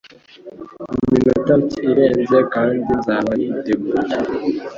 Iminota mike irenze, kandi nzaba niteguye.